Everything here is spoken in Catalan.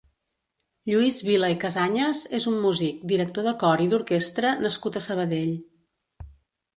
Lluís Vila i Casañas és un músic, director de cor i d'orquestra nascut a Sabadell.